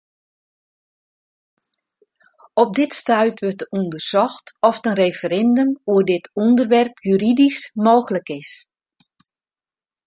Op dit stuit wurdt ûndersocht oft in referindum oer dit ûnderwerp juridysk mooglik is.